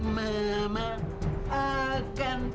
mama akan perhatikan